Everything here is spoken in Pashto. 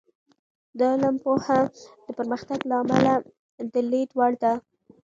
د علم پوهه د پرمختګ د لامله د لید وړ ده.